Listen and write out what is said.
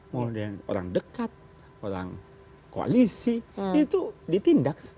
mau dengan orang dekat orang koalisi itu ditindak